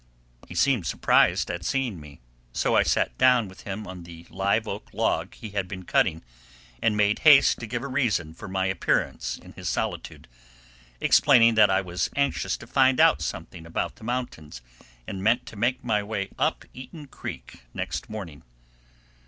He seemed surprised at seeing me, so I sat down with him on the live oak log he had been cutting, and made haste to give a reason for my appearance in his solitude, explaining that I was anxious to find out something about the mountains, and meant to make my way up Eaton Creek next morning.